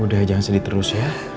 udah jangan sedih terus ya